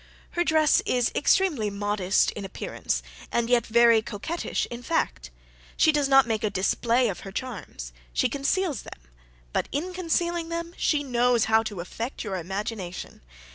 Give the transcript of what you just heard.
"Her dress is extremely modest in appearance, and yet very coquettish in fact: she does not make a display of her charms, she conceals them; but, in concealing them, she knows how to affect your imagination.